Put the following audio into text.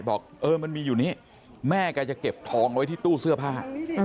บอกเออมันมีอยู่นี้แม่แกจะเก็บทองไว้ที่ตู้เสื้อผ้า